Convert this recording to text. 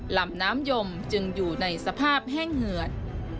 ลำน้ำยมจึงอยู่ในสภาพแห้งเหือด